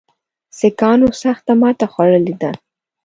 سیکهانو سخته ماته خوړلې ده.